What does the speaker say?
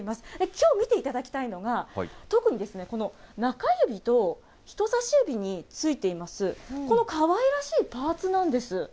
きょう見ていただきたいのが、特に、この中指と人さし指についています、このかわいらしいパーツなんです。